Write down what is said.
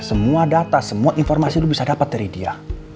semua data semua informasi lo bisa dapat dari dia